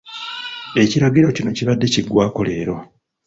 Ekiragiro kino kibadde kiggwaako leero.